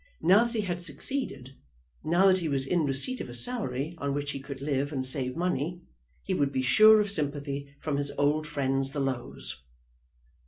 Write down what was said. Now that he had succeeded, now that he was in receipt of a salary on which he could live and save money, he would be sure of sympathy from his old friends the Lows!